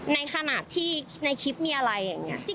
ในขณะที่ในคลิปมีอะไรอย่างนี้